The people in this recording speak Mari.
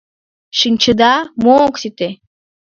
Шинчеда, мо ок сите?